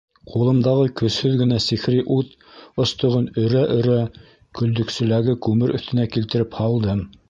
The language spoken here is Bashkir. Ҡулымдағы көсһөҙ генә сихри ут остоғон өрә-өрә көлдөксәләге күмер өҫтөнә килтереп һалдым.